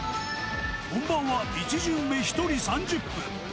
本番は１巡目１人３０分。